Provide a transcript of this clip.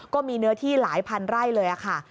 ก็มีเนื้อที่หลายพันไร่เลยค่ะ